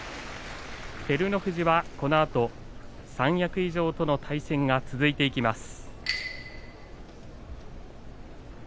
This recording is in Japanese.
照ノ富士は、このあと三役以上との対戦が続いていきます。